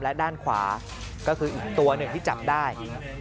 และด้านขวาก็คืออีกตัวหนึ่งที่จับได้